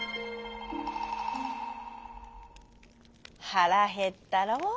「はらへったろう。